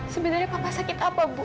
sebenarnya papa sakit apa bu